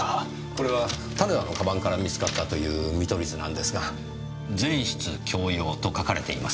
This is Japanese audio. これは種田のカバンから見つかったという見取り図なんですが「全室共用」と書かれていますね？